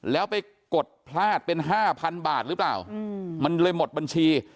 แล้วไปกดพลาดเป็น๕๐๐๐บาทหรือเปล่ามันเลยหมดบัญชี